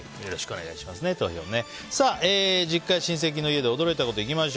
投票よろしくお願いします。